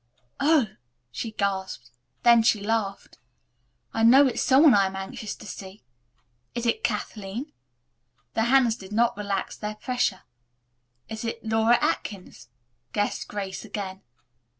"Oh!" she gasped. Then she laughed. "I know it's some one I'm anxious to see. Is it Kathleen?" The hands did not relax their pressure. "Is it Laura Atkins?" guessed Grace again.